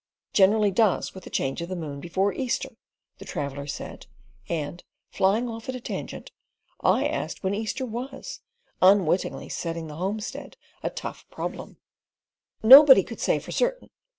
"Generally does with the change of moon before Easter," the traveller said, and, flying off at a tangent, I asked when Easter was, unwittingly setting the homestead a tough problem. Nobody "could say for certain."